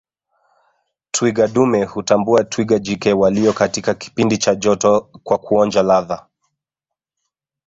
Twiga dume hutambua twiga jike walio katika kipindi cha joto kwa kuonja ladha